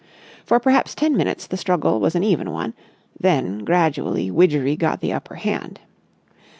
For perhaps ten minutes the struggle was an even one, then gradually Widgery got the upper hand.